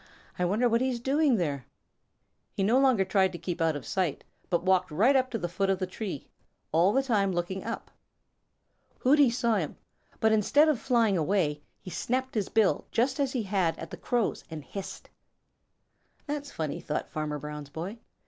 I wonder what he's doing there." He no longer tried to keep out of sight, but walked right up to the foot of the tree, all the time looking up. Hooty saw him, but instead of flying away, he snapped his bill just as he had at the Crows and hissed. "That's funny," thought Farmer Brown's boy.